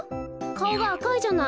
かおがあかいじゃない。